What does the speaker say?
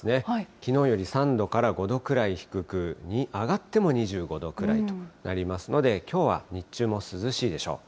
きのうより３度から５度くらい低く、上がっても２５度くらいとなりますので、きょうは日中も涼しいでしょう。